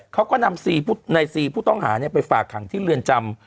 เขาก็นำสี่ในสี่ผู้ต้องหาเนี้ยไปฝากทางที่เรียนจำ